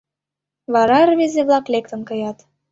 Вара рвезе-влак лектын каят.